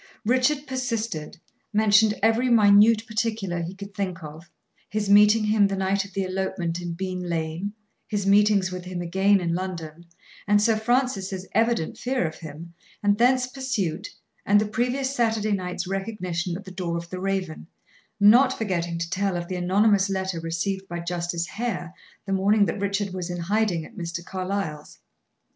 Richard persisted, mentioned every minute particular he could think of his meeting him the night of the elopement in Bean lane, his meetings with him again in London, and Sir Francis's evident fear of him, and thence pursuit, and the previous Saturday night's recognition at the door of the Raven, not forgetting to tell of the anonymous letter received by Justice Hare the morning that Richard was in hiding at Mr. Carlyle's.